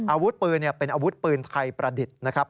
อาวุธปืนเป็นอาวุธปืนไทยประดิษฐ์นะครับ